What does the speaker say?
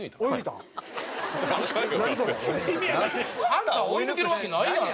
ハンター追い抜けるわけないやん。